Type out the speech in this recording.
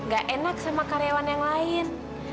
gak enak sama karyawan yang lain